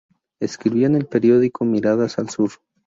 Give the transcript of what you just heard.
Escribió en el periódico "Miradas al Sur".